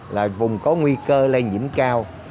là vùng có nguy cơ lây nhiễm cao